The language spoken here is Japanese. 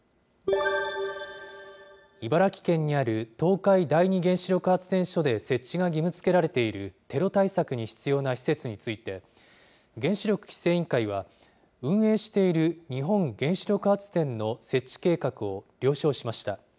茨城県にある東海第二原子力発電所で設置が義務づけられている、テロ対策に必要な施設について、原子力規制委員会は、運営している日本原子力発電の設置計画を了承しました。